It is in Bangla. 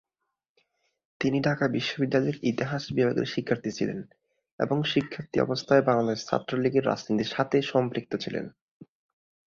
তিনি ঢাকা বিশ্ববিদ্যালয়ের ইতিহাস বিভাগের শিক্ষার্থী ছিলেন এবং শিক্ষার্থী অবস্থায় বাংলাদেশ ছাত্রলীগের রাজনীতির সাথে সম্পৃক্ত ছিলেন।